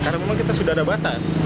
karena memang kita sudah ada batas